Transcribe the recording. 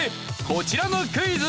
こちらのクイズ。